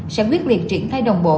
sẽ quyết liệt triển thay đồng bộ